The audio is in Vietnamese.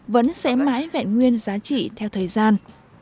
vẫn sẽ mãi vẹn nguyên giá trị theo thời gian